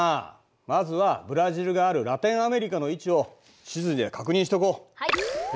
まずはブラジルがあるラテンアメリカの位置を地図で確認しておこう。